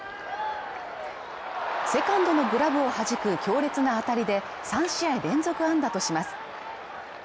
セカンドのグラブを弾く強烈な当たりで３試合連続安打とします。